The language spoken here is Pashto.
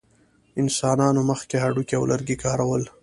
انسانانو مخکې هډوکي او لرګي کارول.